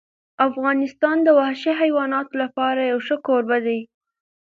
افغانستان د وحشي حیواناتو لپاره یو ښه کوربه دی.